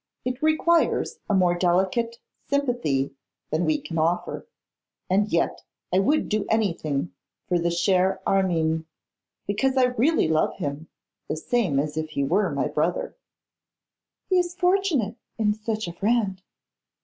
It requires a more delicate sympathy than we can offer. And yet I would do anything for the cher Armine, because I really love him the same as if he were my brother.' 'He is fortunate in such a friend.